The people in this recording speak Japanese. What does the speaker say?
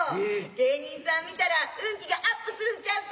芸人さん見たら運気がアップするんちゃうか？